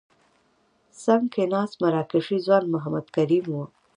څنګ کې ناست مراکشي ځوان محمد کریم وو.